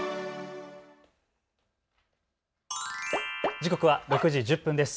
時刻は６時１０分です。